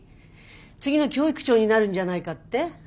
次の教育長になるんじゃないかって？